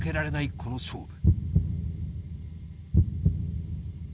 この勝負。